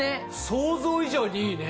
想像以上にいいね！